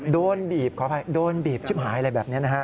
โดนบีบขออภัยโดนบีบชิบหายอะไรแบบนี้นะฮะ